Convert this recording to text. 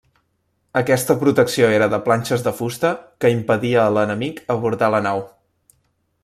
Aquesta protecció era de planxes de fusta que impedia a l'enemic abordar la nau.